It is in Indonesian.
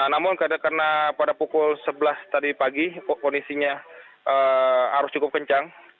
namun karena pada pukul sebelas tadi pagi kondisinya arus cukup kencang